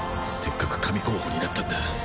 せっかく神候補になったんだ